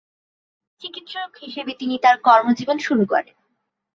চিকিৎসক হিসেবে তিনি তার কর্মজীবন শুরু করেন।